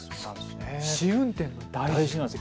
試運転、大事なんです。